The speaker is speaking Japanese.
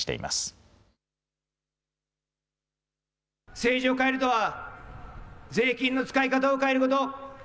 政治を変えるとは税金の使い方を変えること。